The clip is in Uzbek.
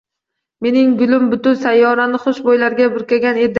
Mening gulim butun sayyorani xush bo‘ylarga burkagan edi